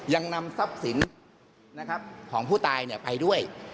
ยังนำทรัพย์สินของผู้ตายไปด้วย